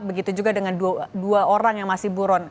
begitu juga dengan dua orang yang masih buron